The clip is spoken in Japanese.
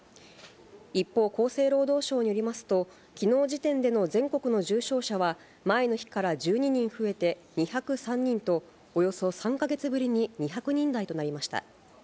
一方、厚生労働省によりますと、きのう時点での全国の重症者は、前の日から１２人増えて２０３人と、およそ３か月ぶりに２００人台となりました。